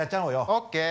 オッケー。